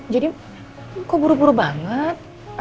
jadi kok buru buru banget